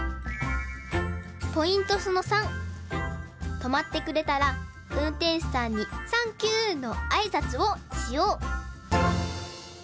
とまってくれたらうんてんしゅさんに「サンキュー！」のあいさつをしよう！